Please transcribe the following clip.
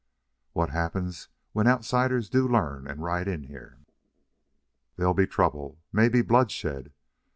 "What'll happen when outsiders do learn and ride in here?" "There'll be trouble maybe bloodshed.